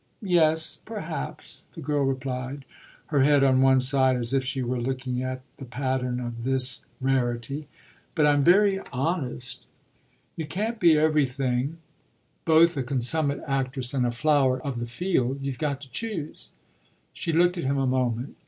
"Yes perhaps," the girl replied, her head on one side as if she were looking at the pattern of this rarity. "But I'm very honest." "You can't be everything, both a consummate actress and a flower of the field. You've got to choose." She looked at him a moment.